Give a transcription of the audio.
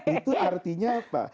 itu artinya apa